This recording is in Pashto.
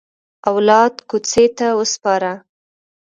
اولاد کوڅې ته وسپاره.